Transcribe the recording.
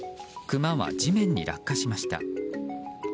クマは地面に落下しました。